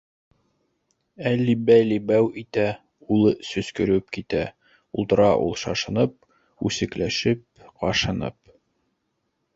— Әлли-бәлли, бәу итә, Улы сөскөрөп китә, Ултыра ул шашынып, Үсекләшеп, ҡашынып.